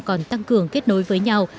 còn tăng cường kết nối với nhau